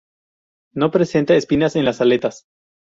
No presenta espinas en las aletas.